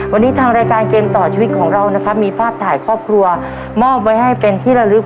วันนี้ทางรายการเกมต่อชีวิตของเรานะครับมีภาพถ่ายครอบครัวมอบไว้ให้เป็นที่ระลึก